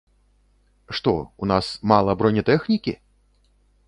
Што, у нас мала бронетэхнікі?!